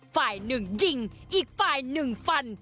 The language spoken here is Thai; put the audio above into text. ฝ่าย๑ยิงอีกฝ่าย๑ฟัน